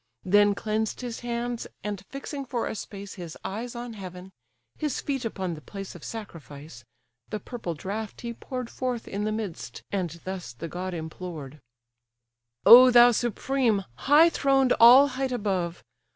Then cleansed his hands; and fixing for a space His eyes on heaven, his feet upon the place Of sacrifice, the purple draught he pour'd Forth in the midst; and thus the god implored: "O thou supreme! high throned all height above!